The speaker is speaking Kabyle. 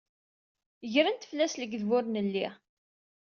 Gren-d fell-as lekdeb ur nelli.